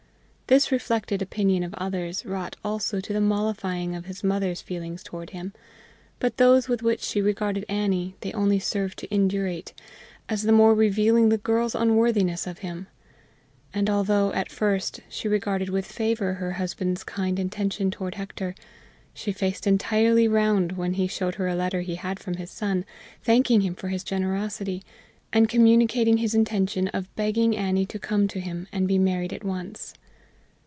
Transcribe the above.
This reflected opinion of others wrought also to the mollifying of his mother's feelings toward him; but those with which she regarded Annie they only served to indurate, as the more revealing the girl's unworthiness of him. And although at first she regarded with favor her husband's kind intention toward Hector, she faced entirely round when he showed her a letter he had from his son thanking him for his generosity, and communicating his intention of begging Annie to come to him and be married at once.